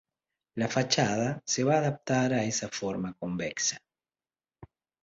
La fachada se va a adaptar a esta forma convexa.